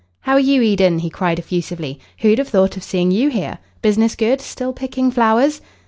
"How are you, Eden?" he cried effusively. "Who'd have thought of seeing you here! Business good? Still picking flowers?"